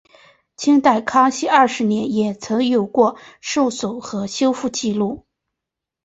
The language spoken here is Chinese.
清代康熙二十年也曾有过受损和修复纪录。